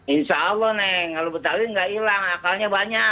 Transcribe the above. insya allah nih kalau betawi nggak hilang akalnya banyak